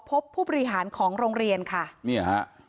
ขอพบผู้บริหารของโรงเรียนค่ะค่ะครับ